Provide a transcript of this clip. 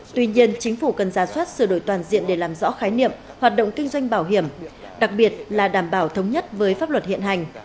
tuy nhiên chính phủ cần ra soát sửa đổi toàn diện để làm rõ khái niệm hoạt động kinh doanh bảo hiểm đặc biệt là đảm bảo thống nhất với pháp luật hiện hành